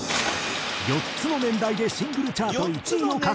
４つの年代でシングルチャート１位を獲得。